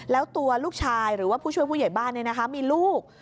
แล้วตัวลูกชายหรือว่าผู้ช่วยผู้ใหญ่บ้านมีลูก